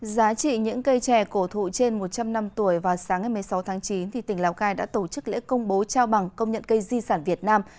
giá trị những cây trẻ cổ thụ trên một trăm linh năm tuổi vào sáng ngày một mươi sáu tháng chín tỉnh lào cai đã tổ chức lễ công bố trao bằng công nhận cây di sản việt nam